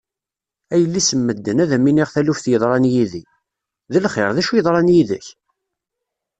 A yelli-s n medden ad am-iniɣ taluft yeḍran yid-i! D lxir, d acu yeḍran yid-k?